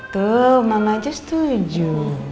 tuh mama aja setuju